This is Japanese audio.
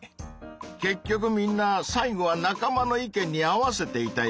結局みんな最後は仲間の意見に合わせていたよね！